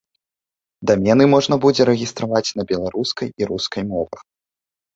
Дамены можна будзе рэгістраваць на беларускай і рускай мовах.